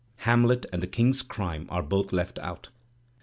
,. Hamlet and the King's crime are both left out.